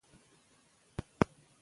ملالۍ کولای سوای چې شهادت ته ورسېږي.